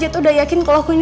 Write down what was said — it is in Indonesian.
aku akan menangis